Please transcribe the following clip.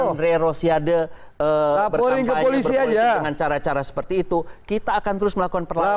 selama andre rosiade bertanggung jawab dengan cara cara seperti itu kita akan terus melakukan perlawanan